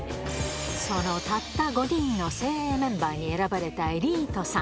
そのたった５人の精鋭メンバーに選ばれたエリートさん。